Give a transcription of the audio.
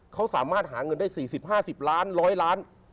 เขาสามารถหาเงินได้๔๐๕๐ล้าน๑๐๐ล้าน